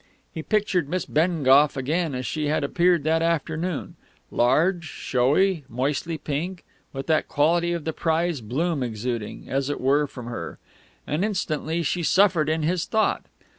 He pictured Miss Bengough again as she had appeared that afternoon large, showy, moistly pink, with that quality of the prize bloom exuding, as it were, from her; and instantly she suffered in his thought.